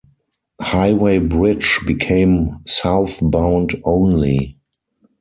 Highway Bridge became southbound-only.